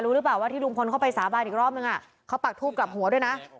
หรือเปล่าว่าที่ลุงพลเข้าไปสาบานอีกรอบนึงเขาปักทูบกลับหัวด้วยนะ